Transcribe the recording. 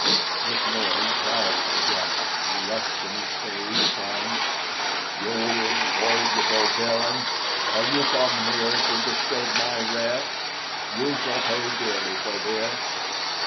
This noise roused the giant, who rushed from his cave, crying: "You incorrigible villain, are you come here to disturb my rest? You shall pay dearly for this.